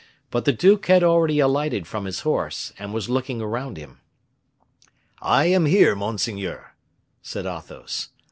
But the duke had already alighted from his horse, and was looking around him. "I am here, monseigneur," said Athos.